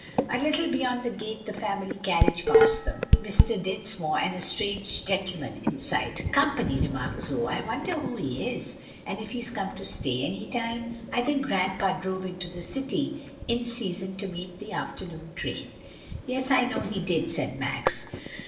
A little beyond the gate the family carriage passed them, Mr. Dinsmore and a strange gentleman inside. "Company," remarked Zoe. "I wonder who he is, and if he's come to stay any time? I think grandpa drove into the city in season to meet the afternoon train." "Yes, I know he did," said Max.